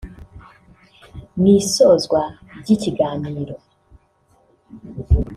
Mu isozwa ry’ikiganiro